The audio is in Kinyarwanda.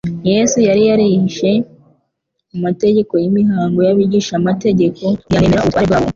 Yesu yari yarishe amategeko y'imihango y'abigishamategeko ntiyanemera ubutware bwabo,